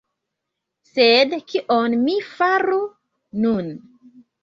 Sed kion mi faru nun?